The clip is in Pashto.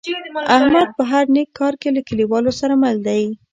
احمد په هر نیک کار کې له کلیوالو سره مل دی.